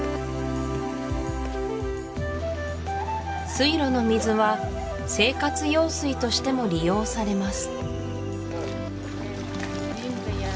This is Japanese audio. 水路の水は生活用水としても利用されます